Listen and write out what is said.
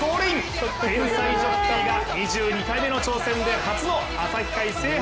天才ジョッキーが２２回目の挑戦で初の朝日杯制覇。